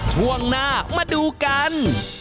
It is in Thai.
ช่วงหน้ามาดูกัน